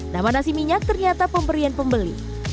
nama nasi minyak ternyata pemberian pembeli